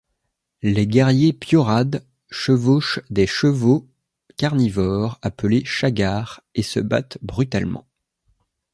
Les guerriers piorads chevauchent des chevaux carnivores appelés chagars et se battent brutalement.